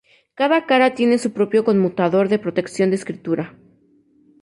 Cada cara tiene su propio conmutador de protección de escritura.